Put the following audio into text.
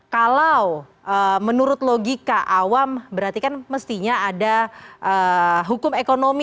kalau menurut logika awam berarti kan mestinya ada hukum ekonomi